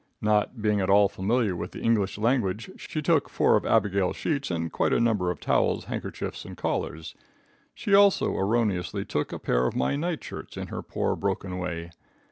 Not being at all familiar with the English language, she took four of Abigail's sheets and quite a number of towels, handkerchiefs and collars. She also erroneously took a pair of my night shirts in her poor, broken way.